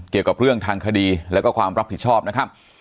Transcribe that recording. เกี่ยวกับเรื่องทางคดีแล้วก็ความรับผิดชอบนะครับ